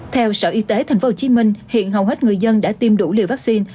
theo sở y tế tp hcm hiện hầu hết người dân đã tiêm đủ liều vaccine